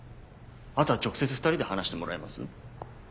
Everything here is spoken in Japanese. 後は直接２人で話してもらえます？